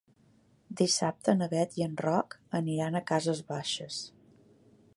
Dissabte na Beth i en Roc aniran a Cases Baixes.